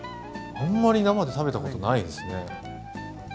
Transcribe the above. あんまり生で食べたことないですね。